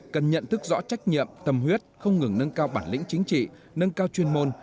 cần nhận thức rõ trách nhiệm tâm huyết không ngừng nâng cao bản lĩnh chính trị nâng cao chuyên môn